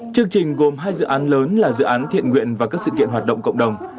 chương trình gồm hai dự án lớn là dự án thiện nguyện và các sự kiện hoạt động cộng đồng